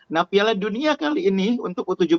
nah piala dunia kali ini untuk u tujuh belas